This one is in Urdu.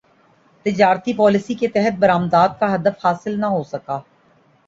تجارتی پالیسی کے تحت برامدات کا ہدف حاصل نہ ہوسکا